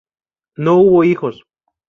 No hubo hijos.